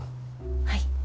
はい。